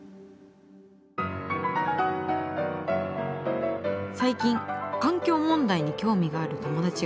最近環境問題に興味がある友達が増えている。